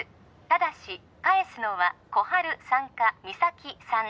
ただし返すのは心春さんか実咲さん